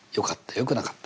「よくなかった」。